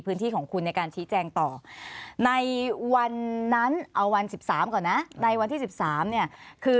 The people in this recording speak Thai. พื้นที่ของคุณในการชี้แจงต่อในวันนั้นเอาวัน๑๓ก่อนนะในวันที่๑๓เนี่ยคือ